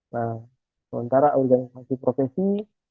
nah sementara organisasi profesi